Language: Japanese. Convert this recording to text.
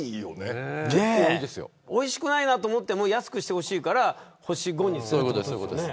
おいしくないなと思っても安くしてほしいからそういうことです。